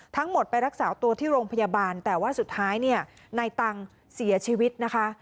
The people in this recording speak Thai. ทั้งหมดไปรักษาตัวที่โรงพยาบาลแต่ว่าสุดท้ายเนี่ยนายตังค์เสียชีวิตนะคะ